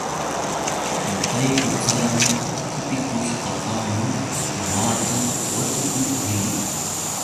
Ñuqayku saram qipikushqakamam mamaata watukuu rii.